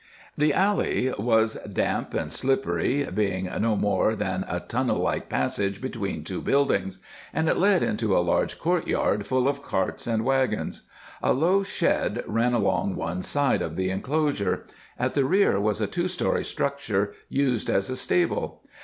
The alley was damp and slippery, being no more than a tunnel like passage between two buildings, and it led into a large courtyard full of carts and wagons. A low shed ran along one side of the inclosure; at the rear was a two story structure used as a stable.